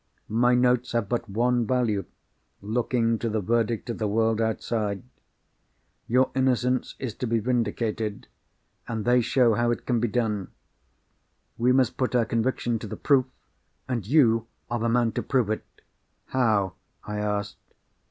my notes have but one value, looking to the verdict of the world outside. Your innocence is to be vindicated; and they show how it can be done. We must put our conviction to the proof—and You are the man to prove it!" "How?" I asked.